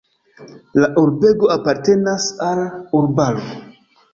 La urbego apartenas al urbaro.